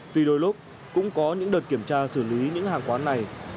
tuy đôi lúc cũng có những đợt kiểm tra xử lý những hàng quán này